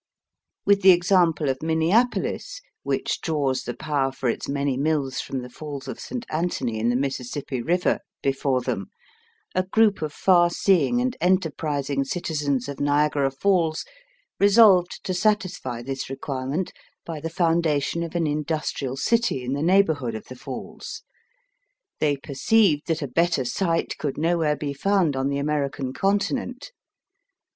With the example of Minneapolis, which draws the power for its many mills from the Falls of St. Anthony, in the Mississippi River, before them, a group of far seeing and enterprising citizens of Niagara Falls resolved to satisfy this requirement by the foundation of an industrial city in the neighbourhood of the Falls. They perceived that a better site could nowhere be found on the American Continent.